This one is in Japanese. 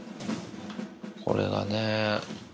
これがね。